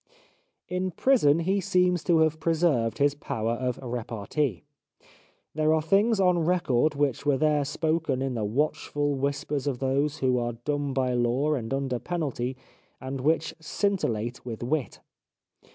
In prison he seems to have preserved his power of repartee. There are things on record which were there spoken in the watchful whispers of those who are dumb by law and under penalty, and which scintillate with wit.